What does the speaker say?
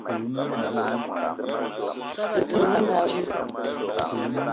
Ndoum i na aveu?